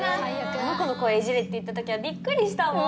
あの子の声いじれって言ったときはびっくりしたもん。